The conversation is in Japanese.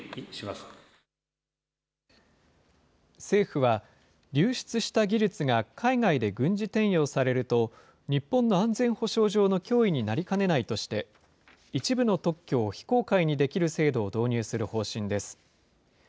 政府は、流出した技術が海外で軍事転用されると、日本の安全保障上の脅威になりかねないとして、一部の特許を非公開にできる制度を導入する方針です。